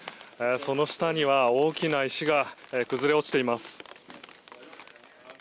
その下には大きな石が崩れ落ちています。